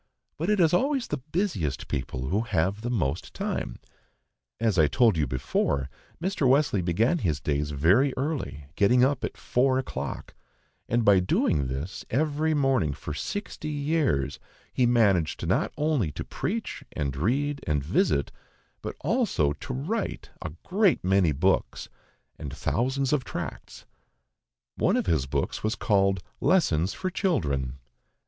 But it is always the busiest people who have the most time. As I told you before, Mr. Wesley began his days very early, getting up at four o'clock; and by doing this every morning for sixty years, he managed not only to preach, and read, and visit, but also to write a great many books, and thousands of tracts one of his books was called "Lessons for Children."